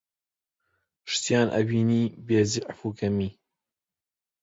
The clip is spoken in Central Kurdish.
شتیان ئەبینی بێزیعف و کەمی